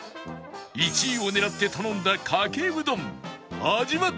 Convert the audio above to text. １位を狙って頼んだかけうどん味わってみよう